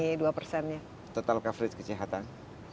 yang pertama total coverage kecehatan